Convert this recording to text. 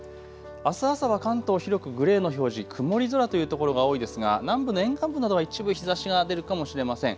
あす朝は関東、広くグレーの表示、曇り空というところが多いですが南部の沿岸部などは一部日ざしが出るかもしれません。